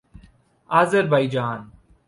Azerbaijan